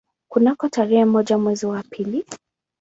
Kunako tarehe moja mwezi wa pili